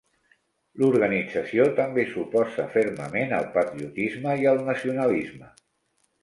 L'organització també s'oposa fermament al patriotisme i al nacionalisme.